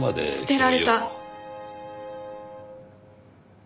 捨てられた。